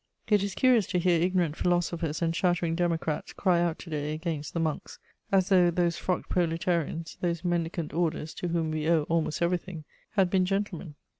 _ It is curious to hear ignorant philosophers and chattering democrats cry out to day against the monks, as though those frocked proletarians, those mendicant orders to whom we owe almost everything, had been gentlemen!